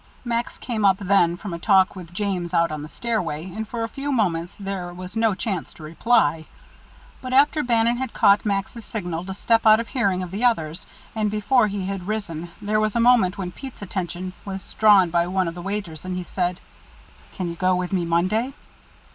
Max came up then, from a talk with James out on the stairway, and for a few moments there was no chance to reply. But after Bannon had caught Max's signals to step out of hearing of the others, and before he had risen, there was a moment when Pete's attention was drawn by one of the waiters, and he said: "Can you go with me Monday?"